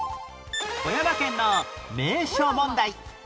富山県の名所問題